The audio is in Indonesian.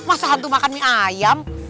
masa hantu makan mie ayam